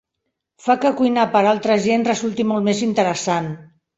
Fa que cuinar per a altra gent resulti molt més interessant.